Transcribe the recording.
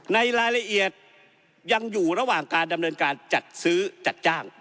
ในรายละเอียดยังอยู่ระหว่างการดำเนินการจัดซื้อจัดจ้าง